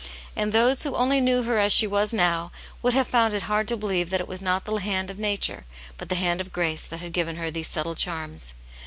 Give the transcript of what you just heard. And those who only knew her as she was now would have found it hard to believe that it was not the hand of nature, but the hand of grace that had given her these subtle charms.